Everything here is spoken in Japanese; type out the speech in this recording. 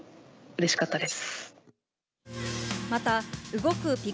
楽しかったです。